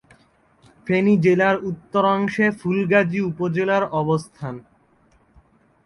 ফেনী জেলার উত্তরাংশে ফুলগাজী উপজেলার অবস্থান।